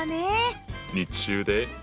日中で。